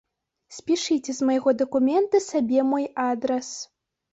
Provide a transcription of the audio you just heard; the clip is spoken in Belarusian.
Спішыце з майго дакумента сабе мой адрас.